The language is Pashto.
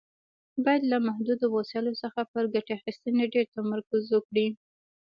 باید له محدودو وسایلو څخه پر ګټې اخیستنې ډېر تمرکز وکړي.